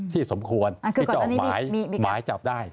สมควรที่จะออกหมายจับได้